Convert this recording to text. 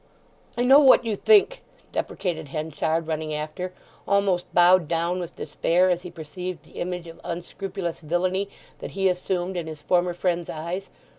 "I know what you think," deprecated Henchard running after, almost bowed down with despair as he perceived the image of unscrupulous villainy that he assumed in his former friend's eyes.